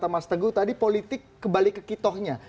mas teguh tadi politik kembali ke kitohnya